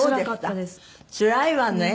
つらいわね。